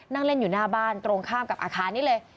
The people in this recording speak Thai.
นั่งเล่นอยู่หน้าบ้านตรงข้ามกับอาคารนี้เลย